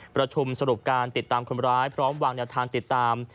ประชุมสรุปการติดตามคนร้ายพร้อมวางแนวทางติดตาม